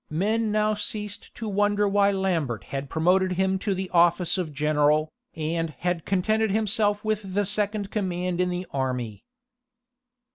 Men now ceased to wonder why Lambert had promoted him to the office of general, and had contented himself with the second command in the army.